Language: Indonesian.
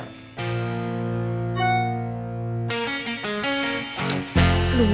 aduh kenapa beginian sih yang trending